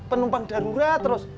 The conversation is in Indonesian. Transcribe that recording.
penumpang darurat terus